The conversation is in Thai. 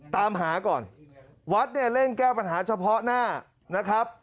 ตามหาก่อนวัดเนี่ยเร่งแก้ปัญหาเฉพาะหน้านะครับ